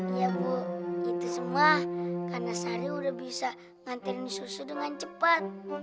iya bu itu semua karena sari sudah bisa ngantirin susu dengan cepat